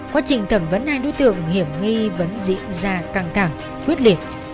quá trình thẩm vấn hai đối tượng hiểm nghi vẫn diễn ra căng thẳng quyết liệt